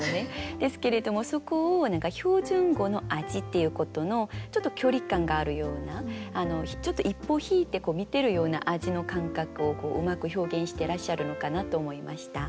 ですけれどもそこを何か「標準語の味」っていうことのちょっと距離感があるようなちょっと一歩引いて見てるような味の感覚をうまく表現してらっしゃるのかなと思いました。